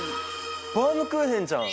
バウムクーヘンじゃん！